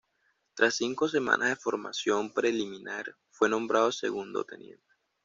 Tras cinco semanas de formación preliminar, fue nombrado segundo teniente.